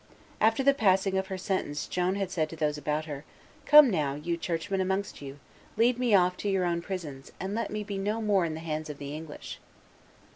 After the passing of her sentence Joan had said to those about her, "Come, now, you churchmen amongst you, lead me off to your own prisons, and let me be no more in the hands of the English."